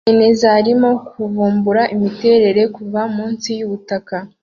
nanezaarimo kuvumbura imiterere kuva munsi yubutaka